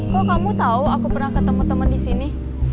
kok kamu tau aku pernah ketemu temen di sini